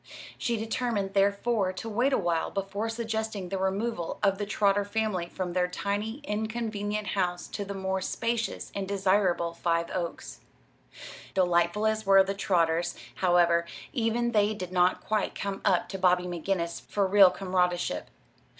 She determined, therefore, to wait awhile before suggesting the removal of the Trotter family from their tiny, inconvenient house to the more spacious and desirable Five Oaks. Delightful as were the Trotters, however, even they did not quite come up to Bobby McGinnis for real comradeship.